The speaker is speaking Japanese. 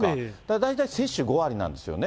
大体接種５割なんですよね。